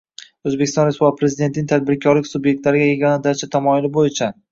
O‘zbekiston Respublikasi Prezidentining “Tadbirkorlik subyektlariga “yagona darcha” tamoyili bo‘yicha